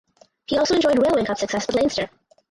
He also enjoyed Railway Cup success with Leinster.